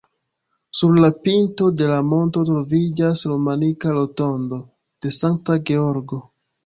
Sur la pinto de la monto troviĝas romanika rotondo de Sankta Georgo.